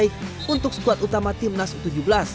yang terbaik untuk skuad utama timnas u tujuh belas